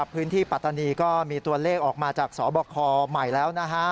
ปัตตานีก็มีตัวเลขออกมาจากสบคใหม่แล้วนะฮะ